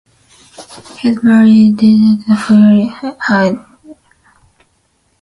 He is married to Dragica, who is half-Serbian, half-Croatian.